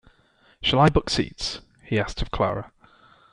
“Shall I book seats?” he asked of Clara.